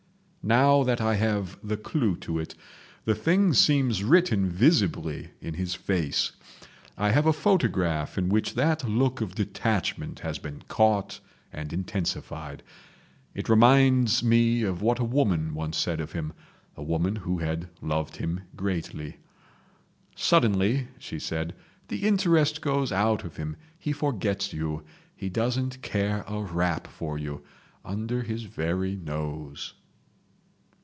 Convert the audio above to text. Now that I have the clue to it, the thing seems written visibly in his face. I have a photograph in which that look of detachment has been caught and intensified. It reminds me of what a woman once said of him—a woman who had loved him greatly. "Suddenly," she said, "the interest goes out of him. He forgets you. He doesn't care a rap for you—under his very nose